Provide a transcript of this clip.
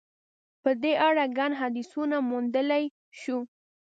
په دې اړه ګڼ حدیثونه موندلای شو.